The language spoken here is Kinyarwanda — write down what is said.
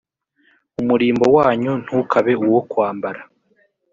umurimbo wanyu ntukabe uwo kwambara